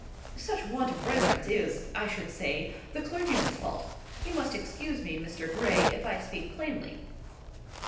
"Such want of reverence is, I should say, the clergyman's fault. You must excuse me, Mr. Gray, if I speak plainly."